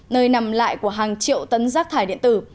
nơi nằm lại của hàng triệu tấn rác thải điện tử